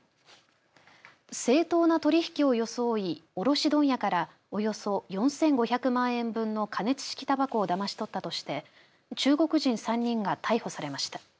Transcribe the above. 正当な取引を装い卸問屋からおよそ４５００万円分の加熱式たばこをだまし取ったとして中国人３人が逮捕されました。